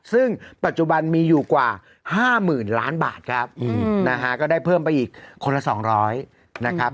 ซึ่งปัจจุบันมีอยู่กว่าห้ามื่นล้านบาทครับอืมนะฮะก็ได้เพิ่มไปอีกคนละสองร้อยนะครับ